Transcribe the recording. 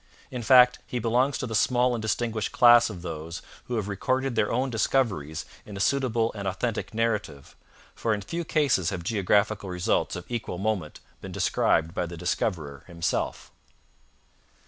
In fact, he belongs to the small and distinguished class of those who have recorded their own discoveries in a suitable and authentic narrative, for in few cases have geographical results of equal moment been described by the discoverer himself.